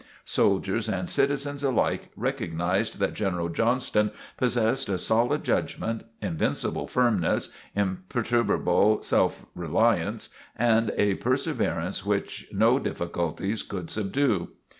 Soldiers and citizens alike recognized that General Johnston possessed a solid judgment, invincible firmness, imperturbable self reliance and a perseverance which no difficulties could subdue.